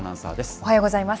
おはようございます。